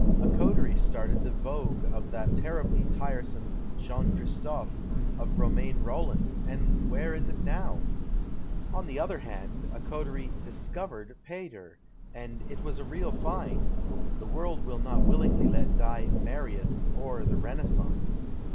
A coterie started tiie vogue of that terribly tiresome " Jean Christophe, ' of Romain Holland, and where is it now ? On the other hand, a coterie " discovered * Pater, and it was a real find ; the world will not willingly let die "Marius" or the "Renaissance."